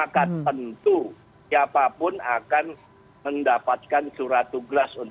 ketua dpp pdi perjuangan